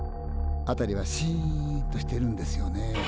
辺りはシンとしてるんですよね。